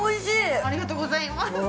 ◆ありがとうございます。